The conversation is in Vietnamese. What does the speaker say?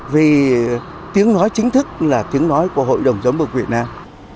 vì tiếng nói chính thức là tiếng nói của hội đồng giám mục việt nam